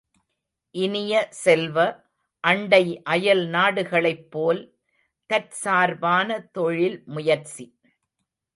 இனிய செல்வ, அண்டை அயல்நாடுகளைப் போல் தற்சார்பான தொழில் முயற்சி.